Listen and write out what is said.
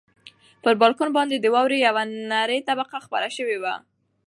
پر بالکن باندې د واورې یوه نری طبقه خپره شوې وه.